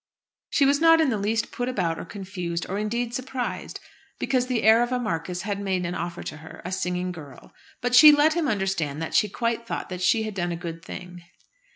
She was not in the least put about or confused, or indeed surprised, because the heir of a marquis had made an offer to her a singing girl; but she let him understand that she quite thought that she had done a good thing.